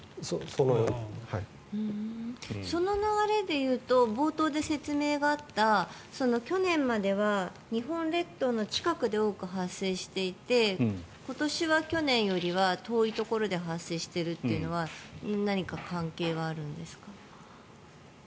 その流れでいうと冒頭で説明があった去年までは日本列島の近くで多く発生していて今年は去年よりは遠いところで発生しているっていうのは何か関係があるんですか？